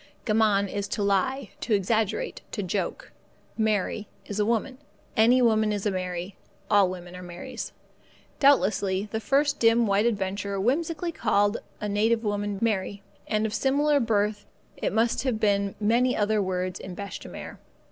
Gammon is to lie, to exaggerate, to joke. Mary is a woman. Any woman is a Mary. All women are Marys. Doubtlessly the first dim white adventurer whimsically called a native woman Mary, and of similar birth must have been many other words in bêche de mer.